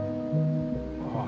ああ。